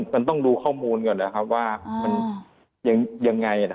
มันต้องดูข้อมูลก่อนนะครับว่ามันยังไง